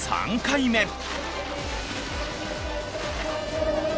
３回目。